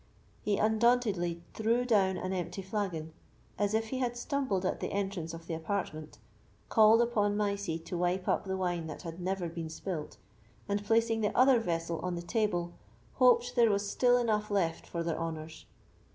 He undauntedly threw down an empty flagon, as if he had stumbled at the entrance of the apartment, called upon Mysie to wipe up the wine that had never been spilt, and placing the other vessel on the table, hoped there was still enough left for their honours.